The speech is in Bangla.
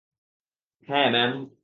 হ্যা, ম্যাম!